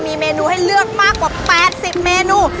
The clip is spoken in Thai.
มีเมนูให้เลือกมากกว่า๘๐เมนู